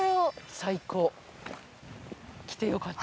最高来てよかった。